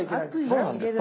そうなんです。